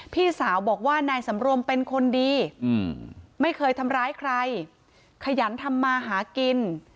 พี่สาวบอกว่านายสำรวมเป็นคนดีไม่เคยทำร้ายใครขยันทำมาหากิน